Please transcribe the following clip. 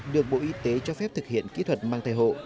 được bộ y tế cho phép thực hiện kỹ thuật mang thai hộ